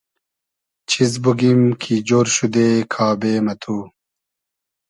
چیز بوگیم کی جۉر شودې کابې مہ تو